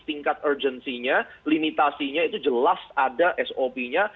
tingkat urgency nya limitasinya itu jelas ada sop nya